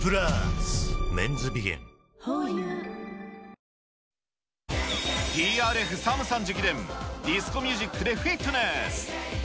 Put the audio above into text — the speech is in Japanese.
順調にディスコフィットネスＴＲＦ・ＳＡＭさん直伝、ディスコミュージックでフィットネス。